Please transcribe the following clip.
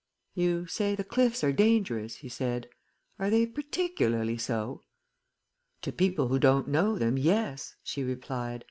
"You say the cliffs are dangerous," he said. "Are they particularly so?" "To people who don't know them, yes," she replied.